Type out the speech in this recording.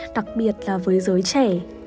đặc biệt là với giới trẻ